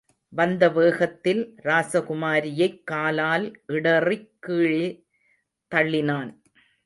வந்த வேகத்தில், ராசகுமாரியைக் காலால் இடறிக் கீழே தள்ளினான்.